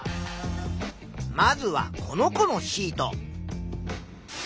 まずはこの子のシート。